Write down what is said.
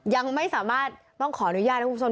ยังไม่สามารถต้องขออนุญาตนะคุณผู้ชม